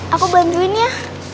aku bantuin ya